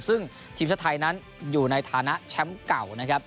ซึ่งทีมชาติไทยนั้นอยู่ในฐานะแชมป์เก่านะครับ